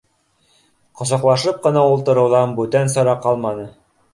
Ҡосаҡлашып ҡына ултырыуҙан бүтән сара ҡалманы